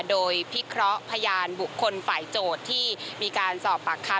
โดยพิเคราะห์พยานบุคคลฝ่ายโจทย์ที่มีการสอบปากคำ